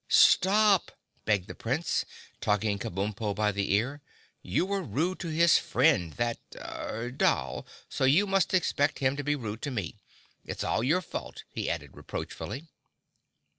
"Stop!" begged the Prince, tugging Kabumpo by the ear. "You were rude to his friend that—er—doll, so you must expect him to be rude to me. It's all your fault," he added reproachfully.